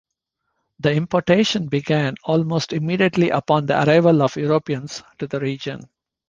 The importation began almost immediately upon the arrival of Europeans to the region.